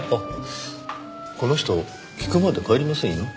この人聞くまで帰りませんよ。